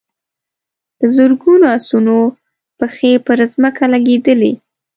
د زرګونو آسونو پښې پر ځمکه لګېدلې.